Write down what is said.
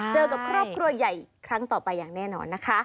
เจอกับครอบครัวใหญ่ครั้งต่อไปอย่างแน่นอนนะคะ